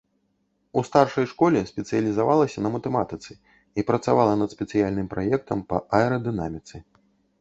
У старшай школе спецыялізавалася на матэматыцы і працавала над спецыяльным праектам па аэрадынаміцы.